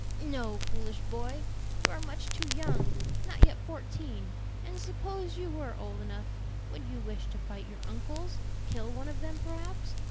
"No, foolish boy, you are much too young, not yet fourteen. And suppose you were old enough, would you wish to fight your uncles? kill one of them, perhaps?